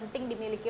intinya menurutku ya